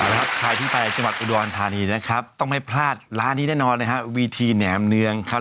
ครับใครที่ไปจังหวัดอุดรธานีนะครับต้องไม่พลาดร้านนี้แน่นอนนะครับวีทีแหนมเนืองครับ